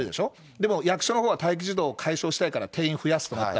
でも役所のほうは待機児童解消したいから定員増やせと言った。